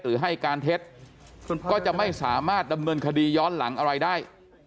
ให้การเท็จก็จะไม่สามารถดำเนินคดีย้อนหลังอะไรได้